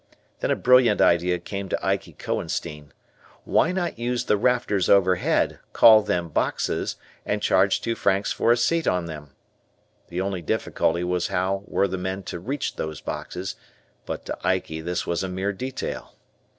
Then a brilliant idea came to Ikey Cohenstein. Why not use the rafters overhead, call them boxes, and charge two francs for a seat on them? The only difficulty was how were the men to reach these boxes, but to Ikey this was a mere detail.